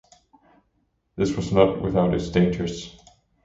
This was not without its dangers.